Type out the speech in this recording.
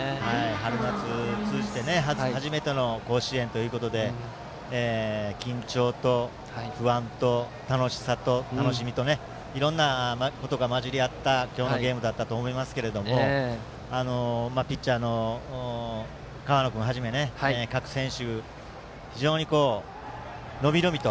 春夏通じて初めての甲子園ということで緊張と不安と楽しさと楽しみとねいろんなことが交じり合った今日のゲームだったと思いますがピッチャーの河野君をはじめ各選手、非常に伸び伸びと。